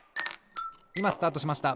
いまスタートしました！